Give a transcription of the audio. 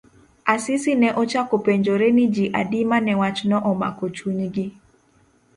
Asisi ne ochako penjore ni ji adi mane wachno omako chunygi.